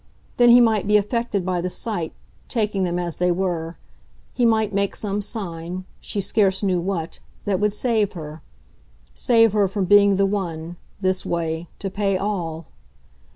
Then he might be affected by the sight, taking them as they were; he might make some sign she scarce knew what that would save her; save her from being the one, this way, to pay all.